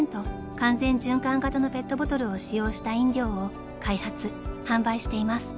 完全循環型のペットボトルを使用した飲料を開発販売しています］